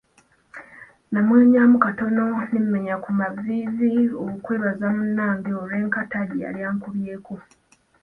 Namwenyaamu katono ne mmenya ku maviivi okwebaza munnange olw'enkata gye yali ankubyeko.